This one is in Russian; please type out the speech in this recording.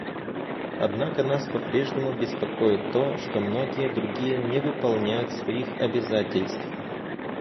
Однако нас попрежнему беспокоит то, что многие другие не выполняют своих обязательств.